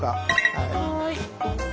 はい。